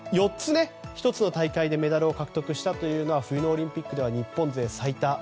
１つの大会で４つのメダルを獲得したのは冬のオリンピックでは日本勢最多。